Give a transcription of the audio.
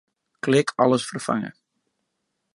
Klik Alles ferfange.